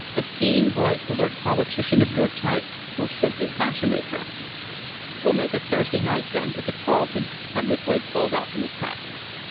A keen, bright, alert politician of your type will simply fascinate her." "We'll make it Thursday night, then, at the Carlton," Hebblethwaite called out from his taxi.